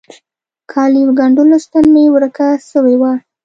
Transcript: کاليو ګنډلو ستن مي ورکه سوي وه.